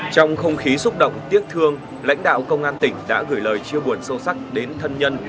trong không khí xúc động tiếc thương lãnh đạo công an tỉnh đã gửi lời chia buồn sâu sắc đến thân nhân